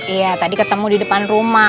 iya tadi ketemu di depan rumah